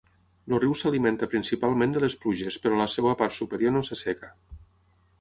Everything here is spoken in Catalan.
El riu s'alimenta principalment de les pluges però a la seva part superior no s'asseca.